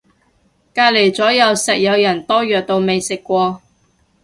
隔離咗右實有人多藥到未食過